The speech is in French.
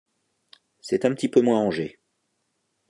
C'est un petit peu moins rangé